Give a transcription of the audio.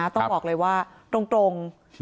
ต้องบอกเลยว่าตรง